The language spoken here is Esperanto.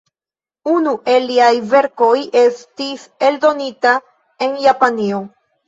Unu el liaj verkoj estis eldonita en Japanio.